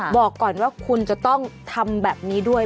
บอกก่อนว่าคุณจะต้องทำแบบนี้ด้วย